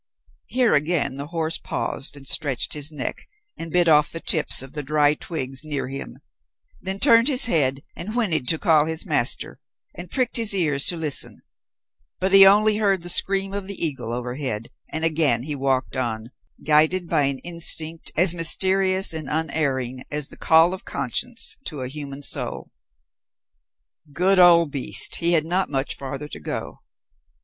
Here again the horse paused and stretched his neck and bit off the tips of the dry twigs near him, then turned his head and whinnied to call his master, and pricked his ears to listen; but he only heard the scream of the eagle overhead, and again he walked on, guided by an instinct as mysterious and unerring as the call of conscience to a human soul. Good old beast! He had not much farther to go.